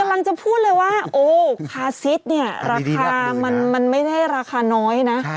กำลังจะพูดเลยว่าโอ้คาซิสเนี่ยราคามันไม่ได้ราคาน้อยนะ